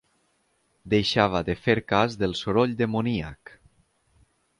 Deixava de fer cas del soroll demoníac